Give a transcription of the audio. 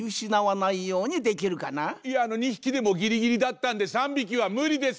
いや２ひきでもギリギリだったんで３びきはむりです！